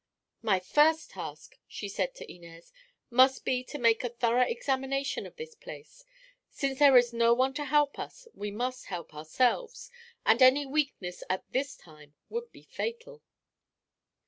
"My first task," she said to Inez, "must be to make a thorough examination of this place. Since there is no one to help us, we must help ourselves, and any weakness at this time would be fatal."